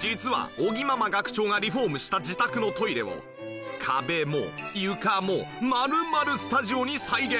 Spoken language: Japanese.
実は尾木ママ学長がリフォームした自宅のトイレを壁も床も丸々スタジオに再現！